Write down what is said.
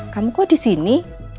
kamu kok disini